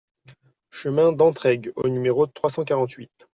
Chemin d'Entraigues au numéro trois cent quarante-huit